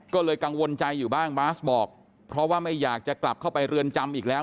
ก็เลยกังวลใจอยู่บ้างบาสบอกเพราะว่าไม่อยากจะกลับเข้าไปเรือนจำอีกแล้ว